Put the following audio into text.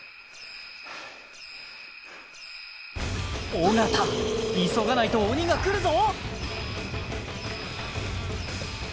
尾形急がないと鬼が来るぞ！